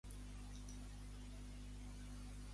Qui ha organitzat la pregària?